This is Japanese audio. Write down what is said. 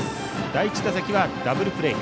第１打席はダブルプレー。